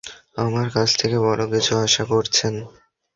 আমার কাছ থেকে বড় কিছু আশা করছেন।